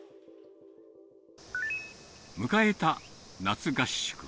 迎えた夏合宿。